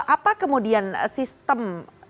apa kemudian sistem